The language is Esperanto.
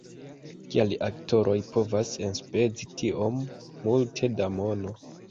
"Kial aktoroj povas enspezi tiom multe da mono!